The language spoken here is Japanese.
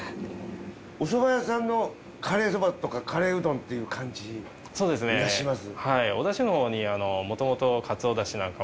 おそば屋さんのカレーそばとかカレーうどんっていう感じがします。